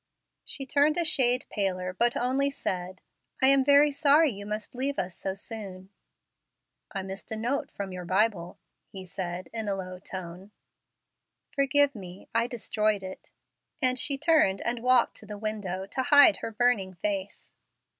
She turned a shade paler, but only said, "I am very sorry you must leave us so soon." "I missed a note from your Bible," he said, in a low tone. "Forgive me! I destroyed it," and she turned and walked to the window to hide her burning face.